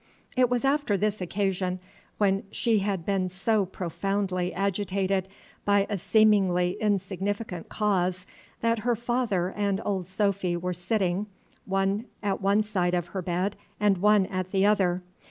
It was after this occasion, when she had been so profoundly agitated by a seemingly insignificant cause, that her father and Old Sophy were sitting, one at one side of her bed and one at the other.